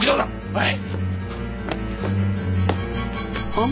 はい！